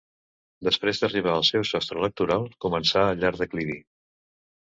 Després d'arribar al seu sostre electoral comença el llarg declivi.